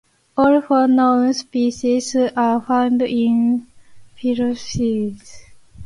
All four known species are found in the Philippines.